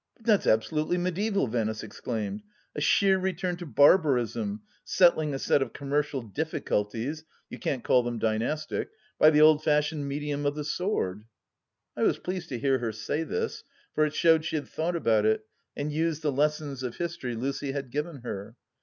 " But that's absolutely mediaeval," Venice exclaimed ;" a sheer return to barbarism, settling a set of commercial diffi culties — you can't call them dynastic — ^by the old fashioned medium of the sword !" I was pleased to hear her say this, for it showed she had thought about it and used the lessons of history Lucy had given her.